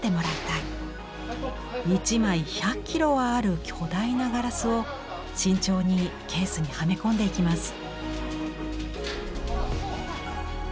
１枚１００キロはある巨大なガラスを慎重にケースにはめ込んでいきます。